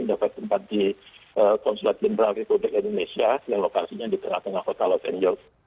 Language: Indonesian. dapat tempat di konsulat jenderal republik indonesia yang lokasinya di tengah tengah kota los angeles